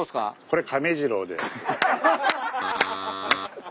これカメ次郎です。